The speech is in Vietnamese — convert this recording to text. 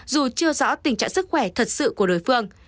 dù chưa rõ tình trạng sức khỏe thật sự của đối phương